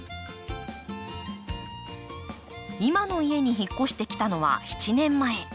今の家に引っ越してきたのは７年前。